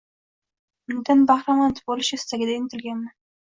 Undan bahramand bo‘lish istagida intilganman.